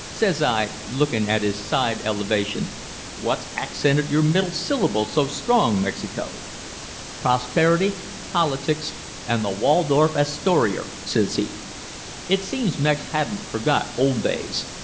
"Says I, lookin' at his side elevation, 'What's accented your middle syllable so strong, Mexico?' "'Prosperity, politics, an' the Waldorf Astorier,' says he. It seems Mex hadn't forgot old days.